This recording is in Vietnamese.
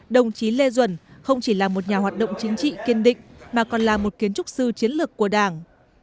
đồng chí lê duẩn không chỉ là một nhà hoạt động chính trị kiên định mà còn là một kiến trúc sư chiến lược của đảng